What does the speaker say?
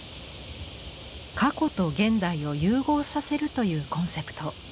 過去と現代を融合させるというコンセプト。